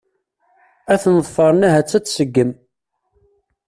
Ad ten-ḍefren ahat ad tseggem.